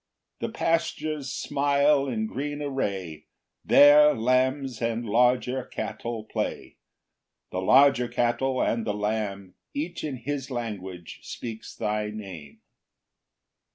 11 The pastures smile in green array; There lambs and larger cattle play; The larger cattle and the lamb Each in his language speaks thy Name.